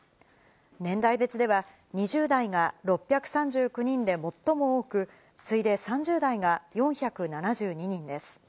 年代別では、２０代が６３９人で最も多く、次いで３０代が４７２人です。